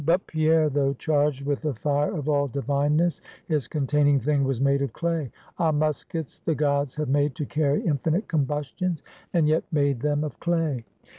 But Pierre, though, charged with the fire of all divineness, his containing thing was made of clay. Ah, muskets the gods have made to carry infinite combustions, and yet made them of clay!